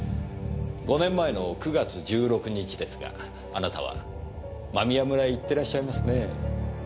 ５年前の９月１６日ですがあなたは間宮村へ行ってらっしゃいますねぇ。